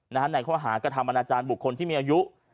ในข้อหากระทำอนาจารย์บุคคลที่มีอายุ